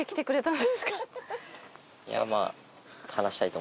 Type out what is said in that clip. いやまぁ。